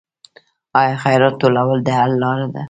آیا خیرات ټولول د حل لاره ده؟